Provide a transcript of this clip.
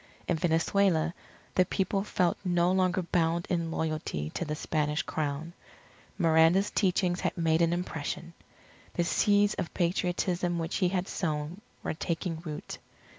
In Venezuela the people felt no longer bound in loyalty to the Spanish Crown. Miranda's teachings had made an impression. The seeds of Patriotism which he had sown were taking root.